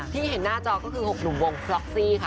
ที่เห็นหน้าจอก็คือ๖หนุ่มวงพล็อกซี่ค่ะ